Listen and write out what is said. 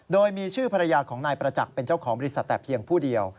โดยมีชื่อภรรยาของนายประจักษ์เป็นเจ้าของบริษัทแต่เพียงผู้เดียว